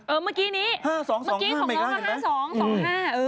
เออเมื่อกี้นี้๕๒ไม่รู้เหรอ